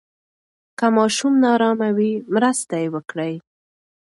که ماشوم نا آرامه وي، مرسته یې وکړئ.